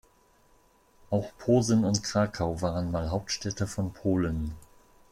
Auch Posen und Krakau waren mal Hauptstädte von Polen.